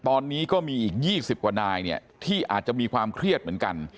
ตอนนี้ก็มีอีก๒๐กว่านายเนี่ยที่อาจจะมีความเครียดเหมือนกัน